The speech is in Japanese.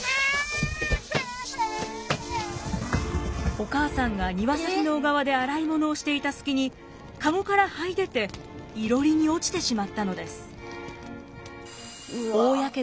お母さんが庭先の小川で洗い物をしていた隙に籠からはい出ていろりに落ちてしまったのです。